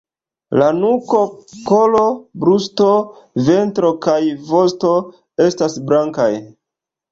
La nuko, kolo, brusto, ventro kaj vosto estas blankaj.